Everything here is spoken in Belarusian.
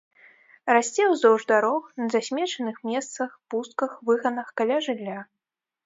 Расце ўздоўж дарог, на засмечаных месцах, пустках, выганах, каля жылля.